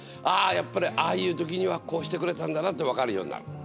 やっぱりああいう時にはこうしてくれたんだなってわかるようになる。